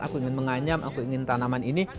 aku ingin menganyam aku ingin tanaman ini